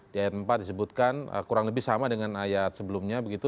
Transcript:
di ayat empat disebutkan kurang lebih sama dengan ayat sebelumnya begitu